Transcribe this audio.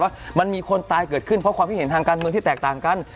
ว่ามันมีคนตายเกิดขึ้นเพราะความคิดเห็นทางการเมืองที่แตกต่างกัน